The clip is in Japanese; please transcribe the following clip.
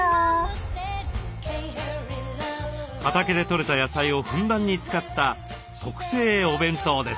畑で取れた野菜をふんだんに使った特製お弁当です。